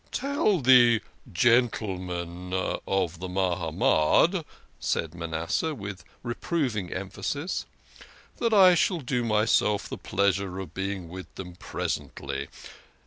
"Tell the gentle men of the Maha mad," said Manas seh, with reproving emphasis, " that I shall do myself the pleasure of being with them presently.